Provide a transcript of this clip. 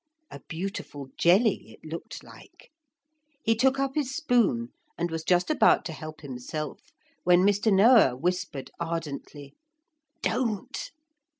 A beautiful jelly it looked like. He took up his spoon and was just about to help himself, when Mr. Noah whispered ardently, 'Don't!'